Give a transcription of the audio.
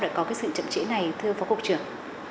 lại có sự chậm trễ này thưa phó cục trưởng